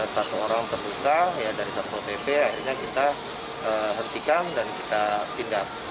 satu orang terbuka dari satpol pp akhirnya kita hentikan dan kita tindak